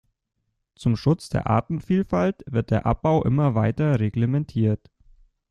Zum Schutz der Artenvielfalt wird der Abbau immer weiter reglementiert.